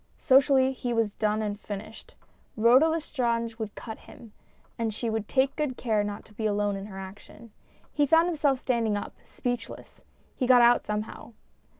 Socially, he was done and finished. Rhoda Lestrange would cut him, and she would take good care not to be alone in her action. He found himself standing up, speechless. He got out somehow.